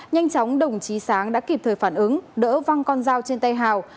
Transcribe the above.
nhanh chóng đồng chí sáng đã kịp thời phản ứng đỡ văng con dao trên tay hào